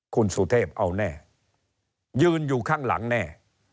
คุณสุเทพเอาแน่ยืนอยู่ข้างหลังแน่